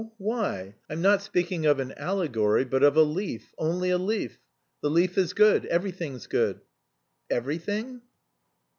why? I'm not speaking of an allegory, but of a leaf, only a leaf. The leaf is good. Everything's good." "Everything?"